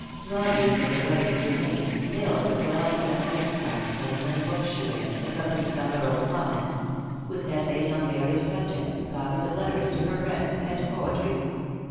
Volumes of her writings remain, filled with well selected extracts from the many books she read, accompanied by her own comments; with essays on various subjects, copies of letters to her friends, and poetry.